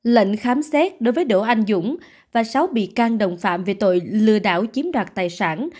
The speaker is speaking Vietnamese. lệnh khám xét đối với đỗ anh dũng và sáu bị can đồng phạm về tội lừa đảo chiếm đoạt tài sản